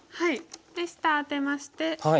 で下アテまして。